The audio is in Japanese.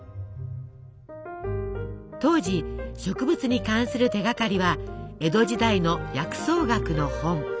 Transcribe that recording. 当時植物に関する手がかりは江戸時代の薬草学の本。